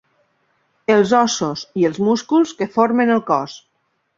Els ossos i els músculs que formen el cos.